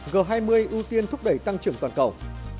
g hai mươi ưu tiên thúc đẩy tăng trưởng toàn cầu